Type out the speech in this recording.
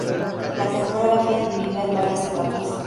La temporada fue dividida en varias etapas.